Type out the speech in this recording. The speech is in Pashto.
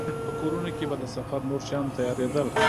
په کورونو کې به د سفر نور شیان تيارېدل.